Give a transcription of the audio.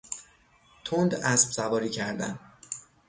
تند اسب سواری کردن